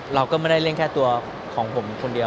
เราก็ไม่ได้เล่นแค่ตัวของผมคนเดียว